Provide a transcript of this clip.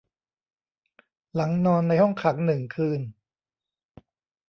หลังนอนในห้องขังหนึ่งคืน